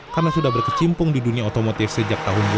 karena sudah berkecimpung di dunia otomotif sejak tahun dua ribu enam belas